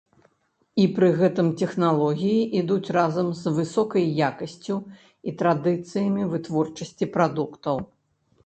І пры гэтым тэхналогіі ідуць разам з высокай якасцю і традыцыямі вытворчасці прадуктаў.